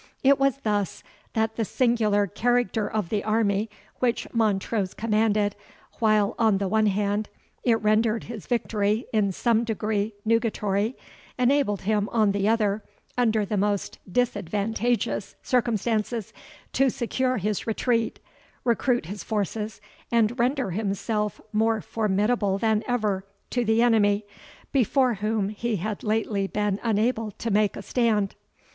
It was thus that the singular character of the army which Montrose commanded, while, on the one hand, it rendered his victory in some degree nugatory, enabled him, on the other, under the most disadvantageous circumstances, to secure his retreat, recruit his forces, and render himself more formidable than ever to the enemy, before whom he had lately been unable to make a stand.